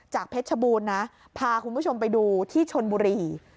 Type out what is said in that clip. เพชรชบูรณ์นะพาคุณผู้ชมไปดูที่ชนบุรี